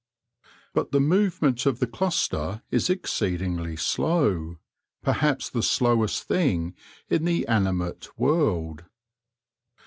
But the movement of the cluster is exceedingly slow, perhaps the slowest thing in the animate world.